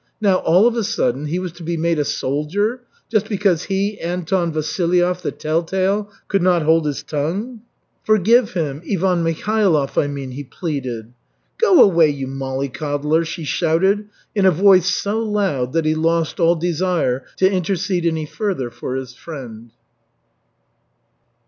Now, all of a sudden, he was to be made a soldier just because he, Anton Vasilyev, the Telltale, could not hold his tongue. "Forgive him Ivan Mikhailov, I mean," he pleaded. "Go away, you mollycoddler," she shouted in a voice so loud that he lost all desire to intercede any further for his friend.